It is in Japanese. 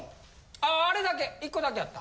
ああれだけ１個だけあった。